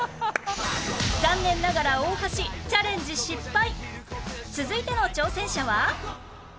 残念ながら大橋チャレンジ失敗続いての挑戦者は